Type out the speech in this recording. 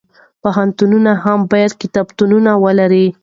پوهنتونونه هم باید کتابتونونه ولري.